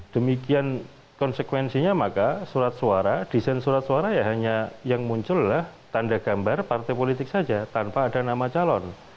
demikian konsekuensinya maka surat suara desain surat suara ya hanya yang muncullah tanda gambar partai politik saja tanpa ada nama calon